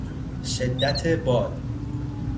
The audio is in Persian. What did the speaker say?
شدت باد